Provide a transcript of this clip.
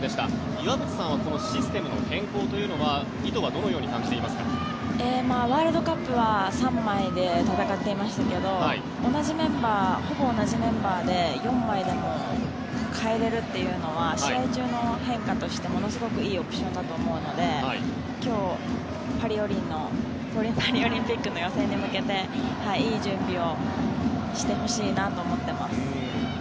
岩渕さんはこのシステムの変更の意図はワールドカップは３枚で戦っていましたけどほぼ同じメンバーで４枚でも変えられるというのは試合中の変化としてものすごくいいオプションだと思うので今日パリオリンピックの予選に向けていい準備をしてほしいなと思っています。